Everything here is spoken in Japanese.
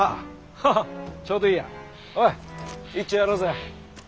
ハハッちょうどいいやおいいっちょやろうぜ。